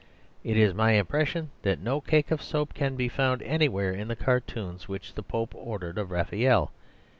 It is my impression that no cake of soap can be found anywhere in the cartoons which the Pope ordered of Raphael.